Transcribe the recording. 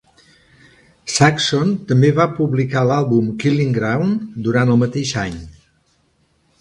Saxon també va publicar l'àlbum "Killing Ground" durant el mateix any.